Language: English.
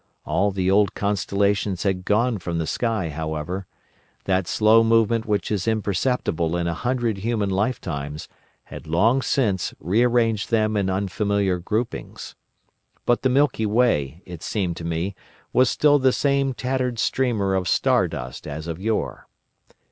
All the old constellations had gone from the sky, however: that slow movement which is imperceptible in a hundred human lifetimes, had long since rearranged them in unfamiliar groupings. But the Milky Way, it seemed to me, was still the same tattered streamer of star dust as of yore.